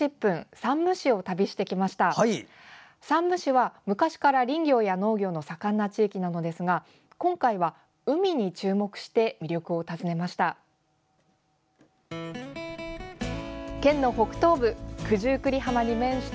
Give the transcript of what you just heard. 山武市は、昔から林業や農業の盛んな地域なのですが今回は海に注目して魅力を訪ねました。